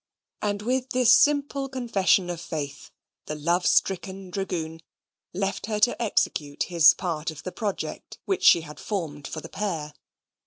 And with this simple confession of faith, the love stricken dragoon left her to execute his part of the project which she had formed for the pair.